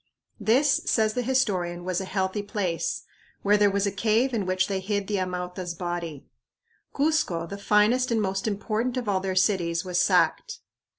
This, says the historian, was "a healthy place" where there was a cave in which they hid the Amauta's body. Cuzco, the finest and most important of all their cities, was sacked.